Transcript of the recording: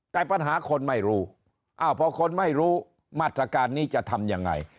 แต่ปัญหาคนไม่รู้อ้าวพอคนไม่รู้มาตรการนี้จะทำยังไง